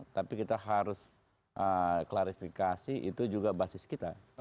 tapi kita harus klarifikasi itu juga basis kita